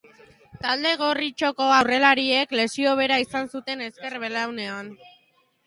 Talde gorritxoko aurrelariak lesio bera izan zuen ezker belaunean.